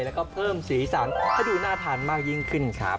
แล้วก็เพิ่มสีสันให้ดูน่าทานมากยิ่งขึ้นครับ